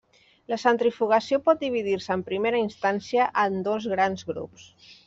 La centrifugació pot dividir-se en primera instància en dos grans grups: